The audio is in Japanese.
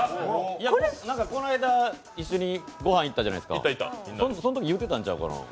この間、一緒にご飯行ったじゃないですか、そのとき言うてたんちゃうかな？